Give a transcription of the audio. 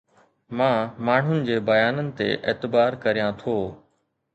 مان ماڻهن جي بيانن تي اعتبار ڪريان ٿو